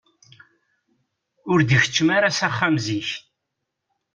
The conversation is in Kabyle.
Ur d-ikeččem ara s axxam zik.